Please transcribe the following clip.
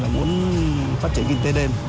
là muốn phát triển kinh tế đêm